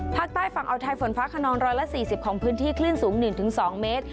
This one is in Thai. ภาคใต้ฝั่งอาวไทยฝนฟ้าขนอง๑๔๐ของพื้นที่คลื่นสูง๑๒เมตร